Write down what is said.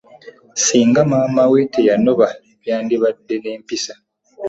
Singa maama we teyanoba yandibadde ne mpisa.